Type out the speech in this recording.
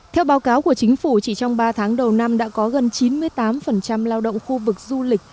theo báo cáo của chính phủ chỉ trong ba tháng đầu năm đã có gần chín mươi tám lao động khu vực du lịch